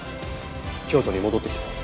京都に戻ってきてたんです。